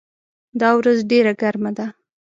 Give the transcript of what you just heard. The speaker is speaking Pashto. دا ورځ ډېره ګرمه ده.